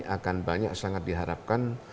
akan banyak sangat diharapkan